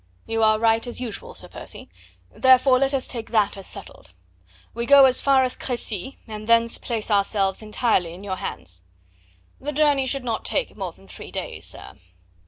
"You are right as usual, Sir Percy. Therefore let us take that as settled. We go as far as Crecy, and thence place ourselves entirely in your hands." "The journey should not take more than three days, sir."